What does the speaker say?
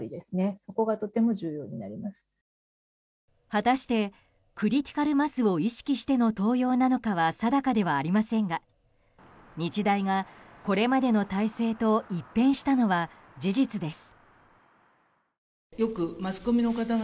果たしてクリティカル・マスを意識しての登用なのかは定かではありませんが日大がこれまでの体制と一変したのは事実です。